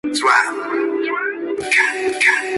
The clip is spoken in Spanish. Y todo en un marco de personajes de gran catalanismo.